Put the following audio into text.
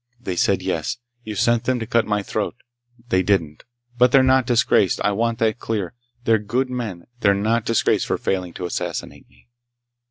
They said yes. You sent them to cut my throat. They didn't. But they're not disgraced! I want that clear! They're good men! They're not disgraced for failing to assassinate me!"